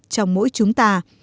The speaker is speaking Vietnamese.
trong mỗi chúng ta